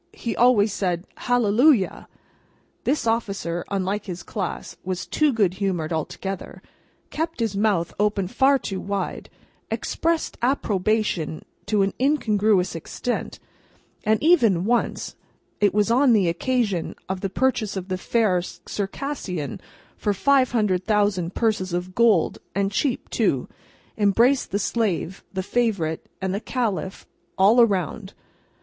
he always said "Hallelujah!" This officer, unlike his class, was too good humoured altogether, kept his mouth open far too wide, expressed approbation to an incongruous extent, and even once—it was on the occasion of the purchase of the Fair Circassian for five hundred thousand purses of gold, and cheap, too—embraced the Slave, the Favourite, and the Caliph, all round.